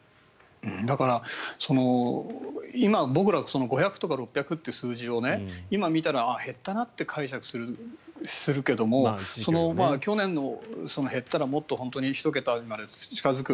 だから、今僕ら５００とか６００っていう数字を今見たら、減ったなって解釈するけれども去年の減ったらもっと１桁まで近付く。